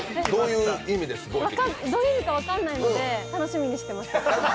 どういう意味か分からないので楽しみにしています。